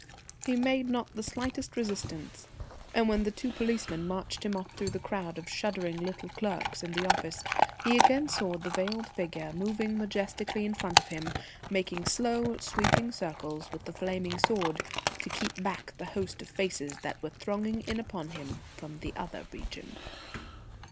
He made not the slightest resistance, and when the two policemen marched him off through the crowd of shuddering little clerks in the office, he again saw the veiled figure moving majestically in front of him, making slow sweeping circles with the flaming sword, to keep back the host of faces that were thronging in upon him from the Other Region.